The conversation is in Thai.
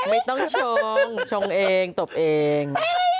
ไม่ต้องชงชงเองตบเอง